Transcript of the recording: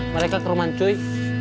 mereka keruman cuy